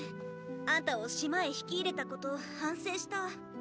あんたを島へ引き入れたこと反省した。